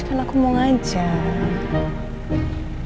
kan aku mau ngajar